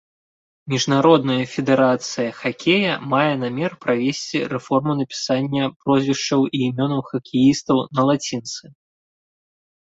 Міжнародная федэрацыя хакея мае намер правесці рэформу напісання прозвішчаў і імёнаў хакеістаў на лацінцы.